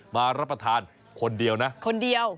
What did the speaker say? มารับประทานคนเดียวนะคนเดียว